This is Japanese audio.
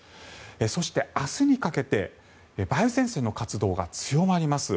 そして、明日にかけて梅雨前線の活動が強まります。